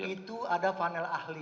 itu ada panel ahli